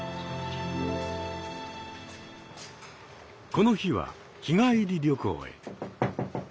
この日は日帰り旅行へ。